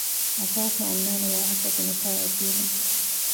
އަފާފު އަންނާނެ ވާހަކަ ބުނެފައި އޮތީމަ